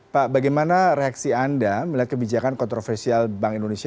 pak bagaimana reaksi anda melihat kebijakan kontroversial bank indonesia